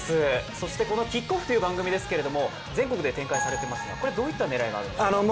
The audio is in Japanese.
そしてこの「ＫＩＣＫＯＦＦ！」という番組ですけれども全国で展開されていますが、これはどういった狙いがあるんでしょうか？